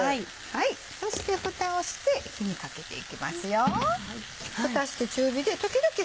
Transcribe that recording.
そしてフタをして火にかけていきますよ。